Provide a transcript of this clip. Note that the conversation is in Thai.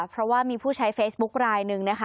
เพราะว่ามีผู้ใช้เฟซบุ๊คลายหนึ่งนะคะ